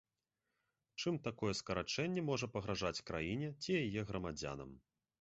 Чым такое скарачэнне можа пагражаць краіне ці яе грамадзянам?